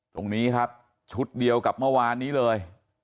ตรงนี้ครับชุดเดียวกับเมื่อวานนี้เลย